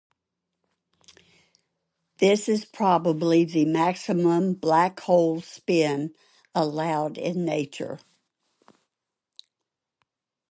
This is probably the maximum black-hole spin allowed in nature.